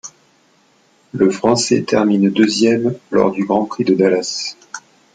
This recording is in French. Le Français termine deuxième lors du Grand Prix de Dallas.